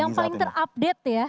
yang paling terupdate ya